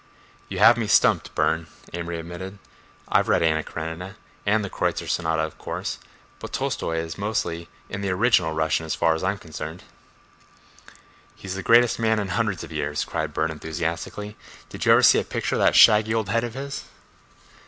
"You have me stumped, Burne," Amory admitted. "I've read 'Anna Karenina' and the 'Kreutzer Sonata' of course, but Tolstoi is mostly in the original Russian as far as I'm concerned." "He's the greatest man in hundreds of years," cried Burne enthusiastically. "Did you ever see a picture of that shaggy old head of his?"